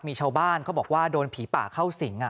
มีชาวบ้านเขาบอกว่าโดนผีป่าเข้าสิง